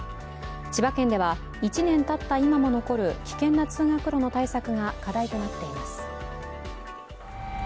千葉県では、１年たった今も残る危険な通学路の対策が課題となっています。